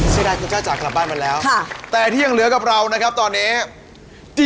เสียดายคุณจ้าจ๋ากลับบ้านมาแล้วแต่ที่ยังเหลือกับเรานะครับตอนนี้